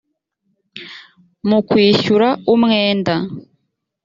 mu kwishyura umwenda